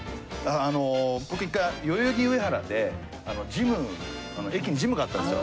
あの僕１回代々木上原でジム駅にジムがあったんですよ。